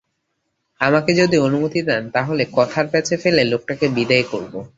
আমাকে যদি অনুমতি দেন তাহলে কথার প্যাঁচে ফেলে লোকটাকে বিদেয় করব।